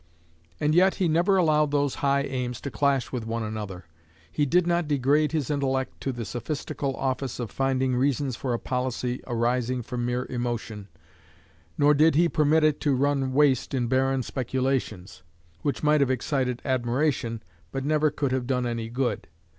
And yet he never allowed those high aims to clash with one another: he did not degrade his intellect to the sophistical office of finding reasons for a policy arising from mere emotion, nor did he permit it to run waste in barren speculations, which might have excited admiration, but never could have done any good.